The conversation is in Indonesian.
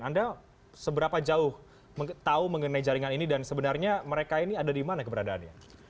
anda seberapa jauh tahu mengenai jaringan ini dan sebenarnya mereka ini ada di mana keberadaannya